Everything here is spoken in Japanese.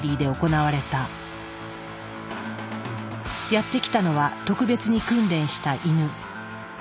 やって来たのは特別に訓練したイヌ。